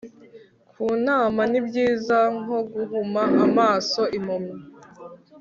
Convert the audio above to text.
kunama ni byiza nko guhuma amaso impumyi